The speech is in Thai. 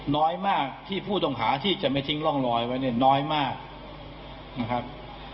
น้อยมากที่ผู้ต้องหาที่จะไม่ทิ้งร่องรอยไว้เนี่ยน้อยมากนะครับ